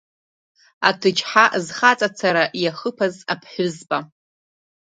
Аҭыџьҳа зхаҵацара иахыԥаз аԥҳәызба.